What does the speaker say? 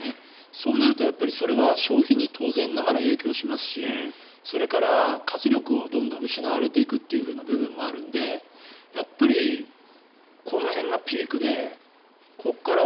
そうなると、やっぱりそれは消費に当然ながら影響しますしそれから活力をどんどん失われていくという部分もあるのでやっぱりこの辺がピークでここからは。